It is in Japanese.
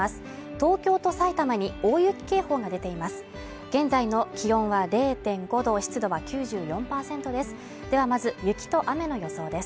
東京と埼玉に大雪警報が出ています